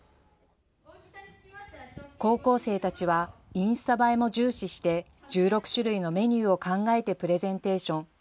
高校生たちはインスタ映えも重視して１６種類のメニューを考えてプレゼンテーション。